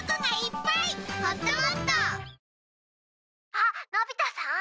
「あっのび太さん